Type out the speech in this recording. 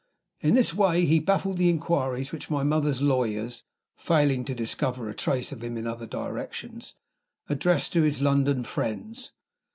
In this way he baffled the inquiries which my mother's lawyers (failing to discover a trace of him in other directions) addressed to his London friends.